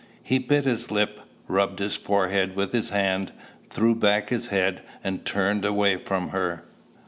He bit his lip, rubbed his forehead with his hand, threw back his head, and turned away from her.